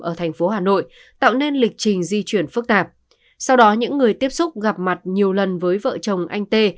ở thành phố hà nội tạo nên lịch trình di chuyển phức tạp sau đó những người tiếp xúc gặp mặt nhiều lần với vợ chồng anh tê